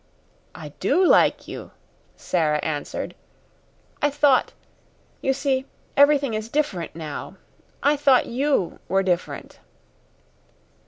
"I do like you," Sara answered. "I thought you see, everything is different now. I thought you were different."